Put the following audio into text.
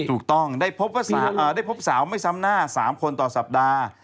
ถูกต้องได้พบสาวไม่ซ้ำหน้า๓คนต่อสัปดาห์